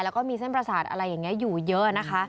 แล้วก็มีเส้นประสาทอะไรอย่างนี้อยู่เยอะนะคะ